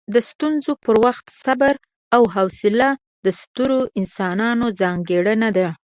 د ستونزو پر وخت صبر او حوصله د سترو انسانانو ځانګړنه ده.